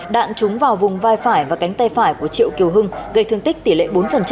đạn trúng vào vùng vai phải và cánh tay phải của triệu kiều hưng gây thương tích tỷ lệ bốn